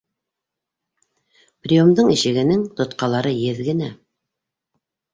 Приемдың ишегенең тотҡалары еҙ генә.